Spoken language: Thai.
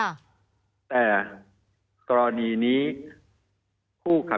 มีความรู้สึกว่ามีความรู้สึกว่า